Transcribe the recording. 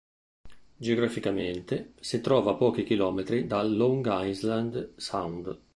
Geograficamente si trova a pochi chilometri dal Long Island Sound.